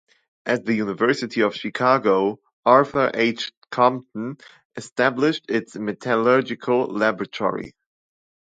At the University of Chicago, Arthur H. Compton established its Metallurgical Laboratory.